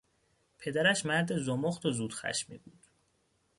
پدرش مرد زمخت و زودخشمی بود.